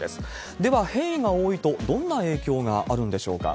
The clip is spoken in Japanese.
では、変異が多いとどんな影響があるんでしょうか。